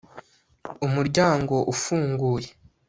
umuryango ufunguye